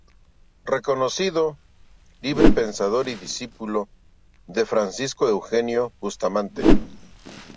Reconocido librepensador y discípulo de Francisco Eugenio Bustamante.